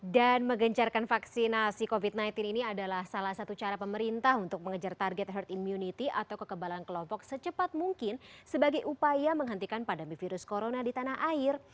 dan menggencarkan vaksinasi covid sembilan belas ini adalah salah satu cara pemerintah untuk mengejar target herd immunity atau kekebalan kelompok secepat mungkin sebagai upaya menghentikan pandemi virus corona di tanah air